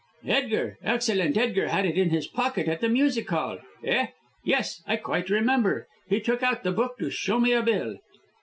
"Edgar, excellent Edgar, had it in his pocket at the music hall. Eh! yes, I quite remember. He took out the book to show me a bill."